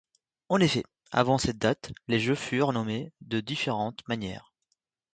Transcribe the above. En effet, avant cette date, les Jeux furent nommés de différentes manières.